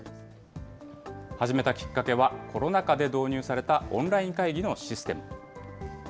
始めたきっかけは、コロナ禍で導入されたオンライン会議のシステム。